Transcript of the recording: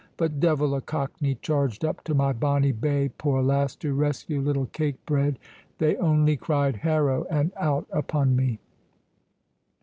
But devil a cockney charged up to my bonny bay, poor lass, to rescue little cake bread; they only cried haro, and out upon me."